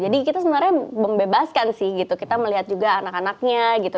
jadi kita sebenarnya membebaskan sih gitu kita melihat juga anak anaknya gitu